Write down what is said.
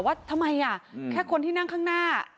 ว่าทำไมแค่คนที่นั่งข้างหน้า